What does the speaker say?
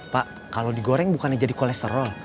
pak kalau digoreng bukannya jadi kolesterol